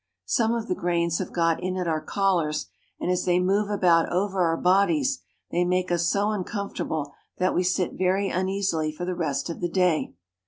Some of the grains have got in at our collars, and, as they move about over our bodies, they make us so uncomfortable that we sit very uneasily for the rest of the day.